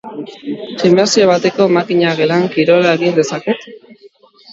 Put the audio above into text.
Gimnasio bateko makina-gelan kirola egin dezaket?